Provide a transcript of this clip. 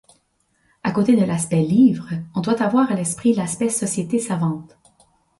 À côté de l'aspect livres, on doit avoir à l'esprit l'aspect sociétés savantes.